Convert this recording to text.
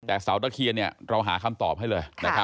แต่เสาตะเคียนเราหาคำตอบให้เลย